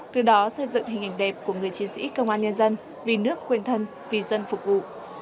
từ đó xây dựng hình ảnh đẹp của người chiến sĩ công an nhân dân vì nước quên thân vì dân phục vụ